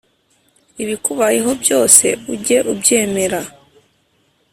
Ibikubayeho byose, ujye ubyemera,